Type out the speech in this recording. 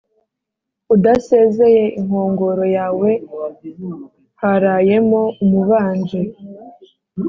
udasezeye inkongoro yawe harayemo umubanji